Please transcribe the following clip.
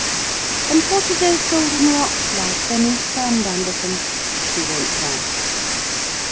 "And what are those golden rocks like when you stand under them?" she once asked.